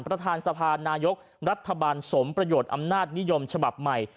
ประธานสภานายกรัฐบาลสมประโยชน์อำนาจนิยมฉบับใหม่